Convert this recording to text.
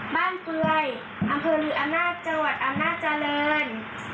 บ้านปรวยอำเภอริย์อำนาจัวร์อำนาจริง